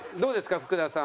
福田さん。